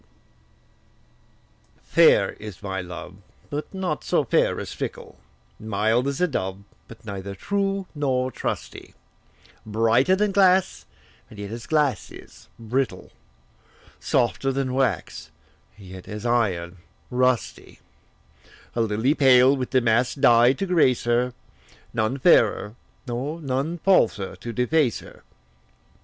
VII. Fair is my love, but not so fair as fickle; Mild as a dove, but neither true nor trusty; Brighter than glass, and yet, as glass is brittle; Softer than wax, and yet, as iron, rusty: A lily pale, with damask dye to grace her, None fairer, nor none falser to deface her.